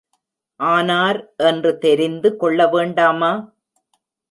ஆனார் என்று தெரிந்து கொள்ள வேண்டாமா?